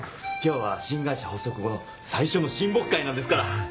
今日は新会社発足後の最初の親睦会なんですから。